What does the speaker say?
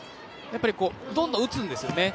どんどん打つんですよね。